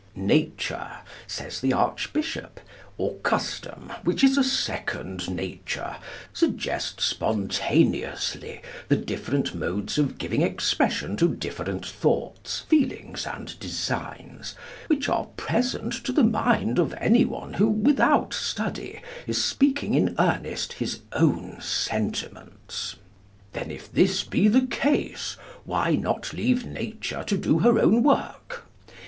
'Nature,' says the Archbishop, 'or custom, which is a second nature, suggests spontaneously the different modes of giving expression to different thoughts, feelings, and designs, which are present to the mind of any one who, without study, is speaking in earnest his own sentiments. Then, if this be the case, why not leave nature to do her own work?